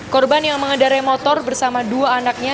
korban yang mengendarai motor bersama dua anaknya